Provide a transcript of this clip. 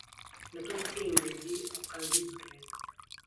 له تۆپی پێی ئینگلیزی ئهو کاندید بکرێت